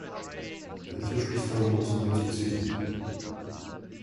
Welche Schlussfolgerung ist nun zu ziehen?